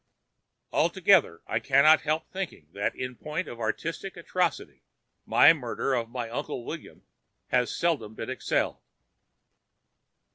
"Altogether, I cannot help thinking that in point of artistic atrocity my murder of Uncle William has seldom been excelled."